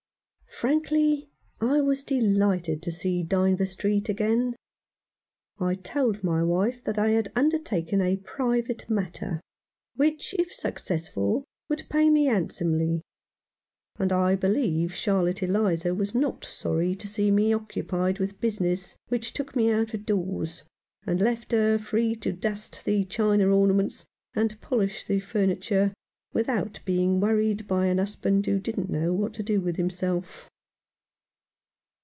Frankly I was delighted to see Dynevor Street again. I told my wife that I had undertaken a private matter, which, if successful, would pay me hand somely ; and I believe Charlotte Eliza was not sorry to see me occupied with business which took me out of doors, and left her free to dust the china ornaments, and polish the furniture, without being worried by a husband who didn't know what to do with himself.